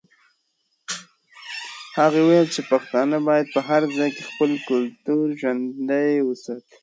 هغې وویل چې پښتانه باید په هر ځای کې خپل کلتور ژوندی وساتي.